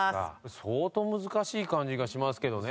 相当難しい感じがしますけどね。